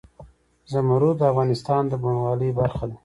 زمرد د افغانستان د بڼوالۍ برخه ده.